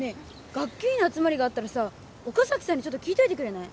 学級委員の集まりがあったらさ岡崎さんにちょっと聞いといてくれない？